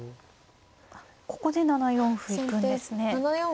あっここで７四歩行くんですね。